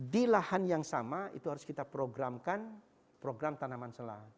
di lahan yang sama itu harus kita programkan program tanaman selat